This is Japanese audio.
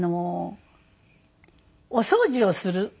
お掃除をする。